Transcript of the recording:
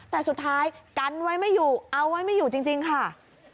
แต่สุดท้ายกันไว้ไม่อยู่เอาไว้ไม่อยู่จริงค่ะ